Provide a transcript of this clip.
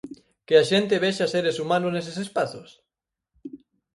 Que a xente vexa seres humanos neses espazos?